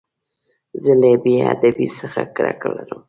زه له بېادبۍ څخه کرکه لرم.